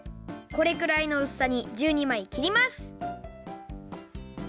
これくらいのうすさに１２まいきります。